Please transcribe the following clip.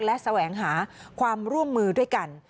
และแสวงหาความร่วมมือด้วยกัน